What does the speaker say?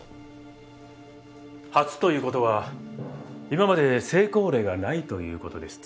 初という事は今まで成功例がないという事です。